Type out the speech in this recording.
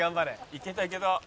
「いけたいけた」